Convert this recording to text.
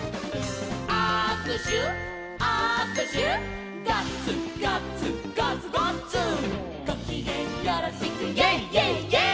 「あくしゅあくしゅ」「ガッツガッツガッツガッツ」「ごきげんよろしく」「イェイイェイイェイ！」